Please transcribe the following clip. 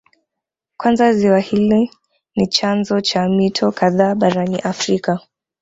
Kwanza ziwa hili ni chanzo cha mito kadhaa barani Afrika